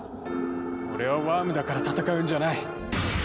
俺はワームだから戦うんじゃない。